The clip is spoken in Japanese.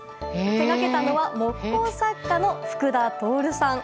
手がけたのは木工作家の福田亨さん。